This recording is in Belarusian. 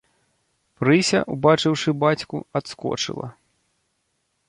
Прыся, убачыўшы бацьку, адскочыла.